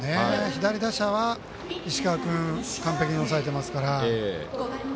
左打者は石川君完璧に抑えていますから。